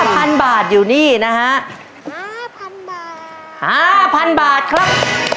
๕๐๐๐บาท๕๐๐๐บาทอยู่นี่นะฮะ๕๐๐๐บาท๕๐๐๐บาทครับ